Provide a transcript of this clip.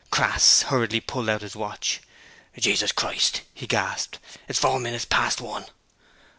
Crass hurriedly pulled out his watch. 'Jesus Christ!' he gasped. 'It's four minutes past one!'